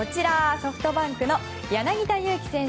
ソフトバンクの柳田悠岐選手。